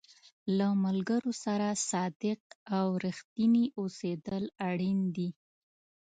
د ملګرو سره صادق او رښتینی اوسېدل اړین دي.